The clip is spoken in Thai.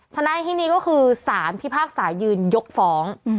ในที่นี้ก็คือสารพิพากษายืนยกฟ้อง